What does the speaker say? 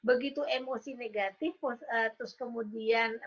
emosi negatif terus kemudian